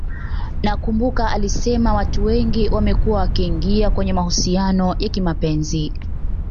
nakumbuka alisema Watu wengi wamekua wakiingia kwenye mahusiano ya kimapenzi